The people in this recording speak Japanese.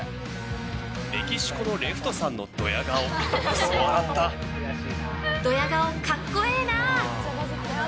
メキシコのレフトさんのドヤドヤ顔、かっこええな。